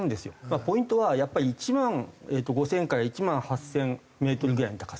ポイントはやっぱり１万５０００から１万８０００メートルぐらいの高さ。